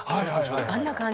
あんな感じ。